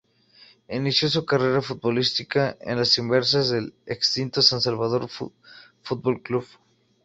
Inició su carrera futbolística en las reservas del extinto San Salvador Fútbol Club.